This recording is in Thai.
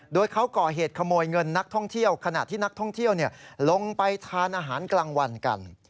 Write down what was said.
โดยเขาก่อเหตุขโมยเงินนักท่องเที่ยวขณะที่นักท่องเที่ยวลงไปทานอาหารกลางวันกัน